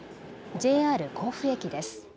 ＪＲ甲府駅です。